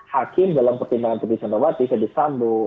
hakim dalam pertimbangan tuduh santawati tuduh sambu